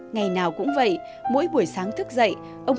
ngày nào cũng vậy mỗi buổi sáng thức dậy